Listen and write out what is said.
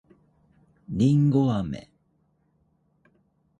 りんごあめ